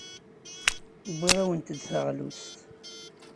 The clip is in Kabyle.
Wwiɣ-awent-d taɣlust.